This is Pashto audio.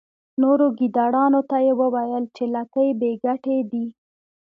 نورو ګیدړانو ته یې وویل چې لکۍ بې ګټې دي.